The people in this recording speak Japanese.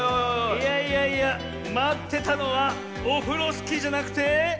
いやいやいやまってたのはオフロスキーじゃなくて。